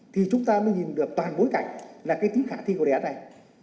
thì chúng ta mới nhìn được toàn bối cảnh là cái tính khả thi của đề án này